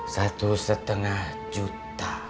satu setengah juta